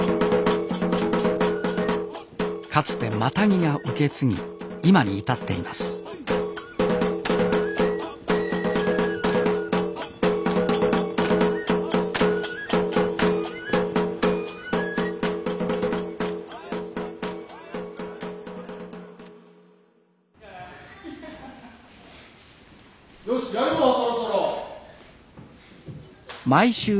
かつてマタギが受け継ぎ今に至っていますよしやるぞそろそろ！